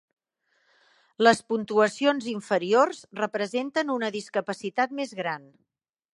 Les puntuacions inferiors representen una discapacitat més gran.